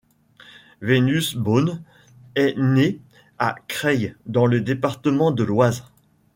Vénus Boone est née à Creil dans le département de l'Oise.